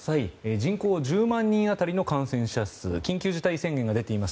人口１０万人当たりの感染者数緊急事態宣言が出ています。